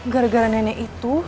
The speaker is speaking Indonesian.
gara gara nenek itu